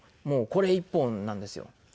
もうこれ１本なんですよ。